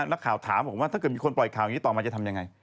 นักข่าวถามบอกว่าถ้าเกิดมีคนปล่อยข่าวอย่างนี้ต่อมาจะทำยังไง